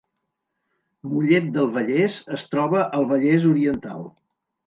Mollet del Vallès es troba al Vallès Oriental